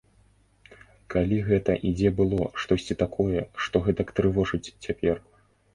Калі гэта і дзе было штосьці такое, што гэтак трывожыць цяпер?